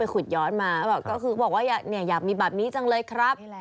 ขุดย้อนมาก็คือเขาบอกว่าอยากมีแบบนี้จังเลยครับ